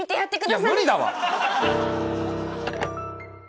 いや無理だわ。